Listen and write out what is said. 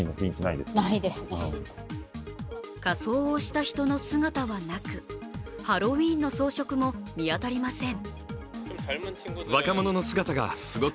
仮装をした人の姿はなくハロウィーンの装飾も見当たりません。